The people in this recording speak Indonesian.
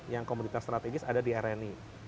yang komoditas strategis ada di rni